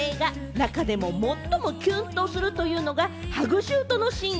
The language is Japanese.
中でも最もキュンとするというのが、ハグシュートのシーン。